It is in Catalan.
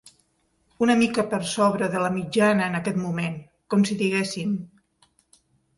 Una mica per sobre de la mitjana en aquest moment, com si diguéssim.